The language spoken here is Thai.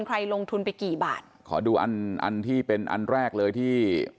ใครลงทุนไปกี่บาทขอดูอันอันที่เป็นอันแรกเลยที่